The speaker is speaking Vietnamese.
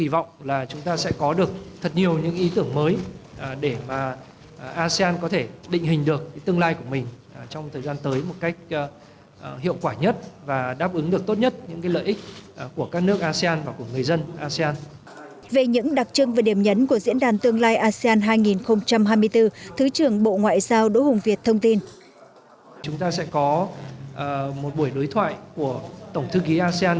về những đặc trưng và điểm nhấn của diễn đàn tương lai asean hai nghìn hai mươi bốn thứ trưởng bộ ngoại giao đỗ hùng việt thông tin